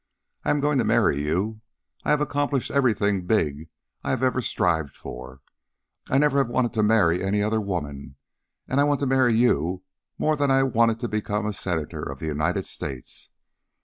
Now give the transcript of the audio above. I am going to marry you. I have accomplished everything big I have ever strived for. I never have wanted to marry any other woman, and I want to marry you more than I wanted to become a Senator of the United States.